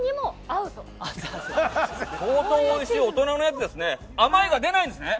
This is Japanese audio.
相当美味しい大人のやつですね。